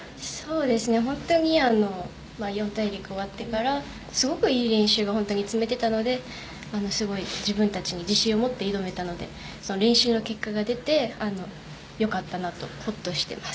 本当に四大陸終わってからいい練習が積めていたのですごい自分たちに自信を持って挑めたので練習の結果が出て良かったなと、ほっとしています。